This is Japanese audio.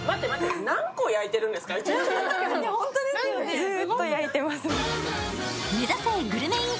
ずーっと焼いてます。